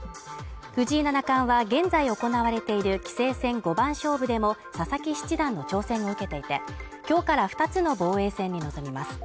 藤井七冠は現在行われている棋聖戦五番勝負でも佐々木七段の挑戦を受けていて、今日から二つの防衛戦に臨みます。